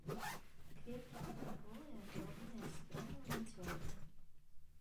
Кветкі аднаполыя, дробныя, сабраныя ў мяцёлкі.